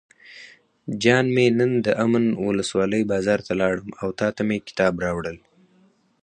جان مې نن دامن ولسوالۍ بازار ته لاړم او تاته مې کتاب راوړل.